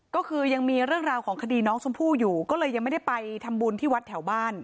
ก็คือยังมีเรื่องราวของคดีน้องชมพู่อยู่ก็เลยยังไม่ได้ไปทำบุญที่วัดแถวบ้าน